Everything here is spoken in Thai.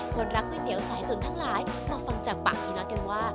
คนรักก๋วยเตี๋ยวสายตุ๋นทั้งหลายมาฟังจากปากให้รักกันว่าเด็ดบูรณ์ขนาดมนตร์